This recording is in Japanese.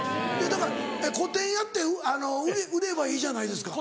だから個展やって売ればいいじゃないですか。